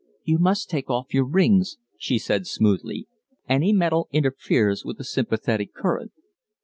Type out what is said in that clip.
"You must take off your rings," she said smoothly. "Any metal interferes with the sympathetic current."